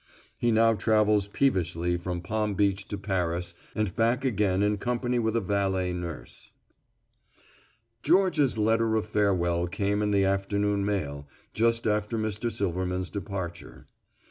He now travels peevishly from Palm Beach to Paris and back again in company with a valet nurse. Georgia's letter of farewell came in the afternoon mail, just after Mr. Silverman's departure.